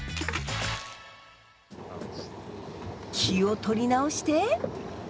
気を取り直して。